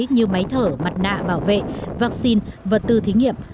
như máy thở mặt nạ bảo vệ vaccine vật tư thí nghiệm